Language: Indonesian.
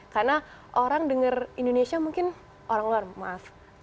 karena orang dengar indonesia mungkin orang luar maaf